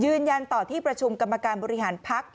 ยืนยันต่อที่ประชุมกรรมการบริหารพัก